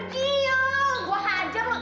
pergi yuk gue hajar lo